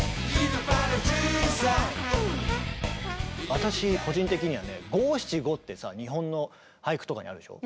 私個人的にはね五・七・五ってさ日本の俳句とかにあるでしょ。